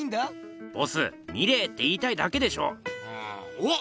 おっ！